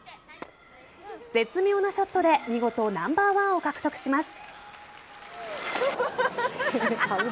絶妙なショットで見事ナンバーワンを獲得します。